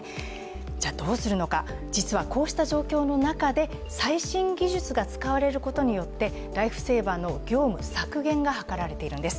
じゃ、どうするのか、実はこうした状況の中で最新技術が使われることによってライフセーバーの業務削減がはかられているんです。